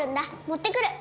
持ってくる。